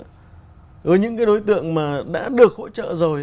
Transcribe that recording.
với những cái đối tượng mà đã được hỗ trợ rồi